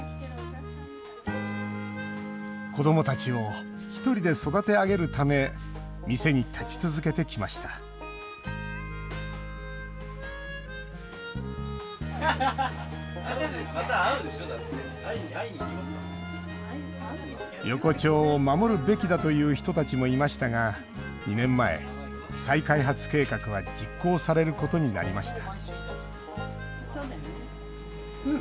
子どもたちを１人で育て上げるため店に立ち続けてきました横丁を守るべきだという人たちもいましたが２年前、再開発計画は実行されることになりました